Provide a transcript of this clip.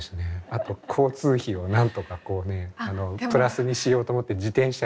あと交通費をなんとかこうねプラスにしようと思って自転車で。